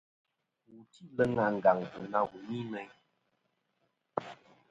Wu tî leŋ àngàŋtɨ na wù ni meyn.